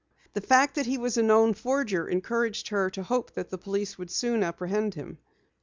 The fact that he was a known forger, encouraged her to hope that police soon would apprehend him.